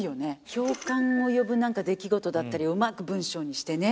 共感を呼ぶなんか出来事だったりをうまく文章にしてね。